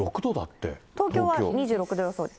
東京は２６度予想です。